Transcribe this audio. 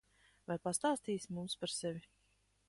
Vai pastāstīsi mums par sevi?